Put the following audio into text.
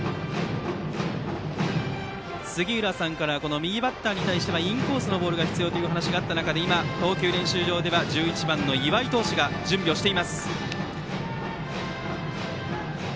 杉浦さんから右バッターに対してはインコースのボールが必要という話があった中で今、投球練習場では１１番の岩井投手が準備をしています。